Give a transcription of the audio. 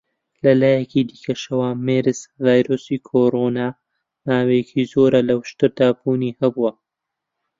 لە لایەکی دیکەشەوە، مێرس-ڤایرۆسی کۆڕۆنا ماوەیەکی زۆرە لە وشتردا بوونی هەبووە.